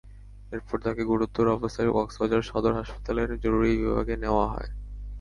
এরপর তাঁকে গুরুতর অবস্থায় কক্সবাজার সদর হাসপাতালের জরুরি বিভাগে নেওয়া হয়।